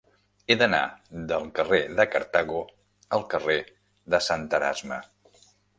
He d'anar del carrer de Cartago al carrer de Sant Erasme.